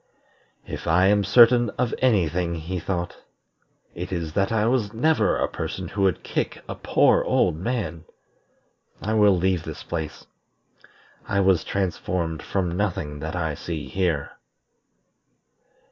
"If I am certain of any thing," he thought, "it is that I was never a person who would kick a poor old man. I will leave this place. I was transformed from nothing that I see here."